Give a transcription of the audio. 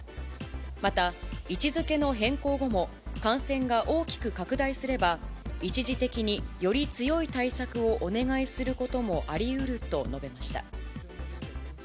また位置づけの変更後も、感染が大きく拡大すれば、一時的により強い対策をお願いすることもありうると述べました。